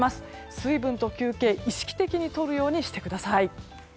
水分と休憩、意識的にとるようにしてください。